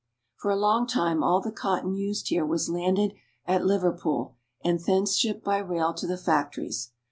For a long time all the cotton used here was landed at Liverpool, and thence shipped by rail to the factories.